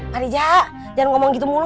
marijak jangan ngomong gitu mulu